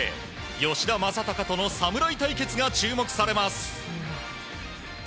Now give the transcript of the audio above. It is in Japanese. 吉田正尚との侍対決が注目されます。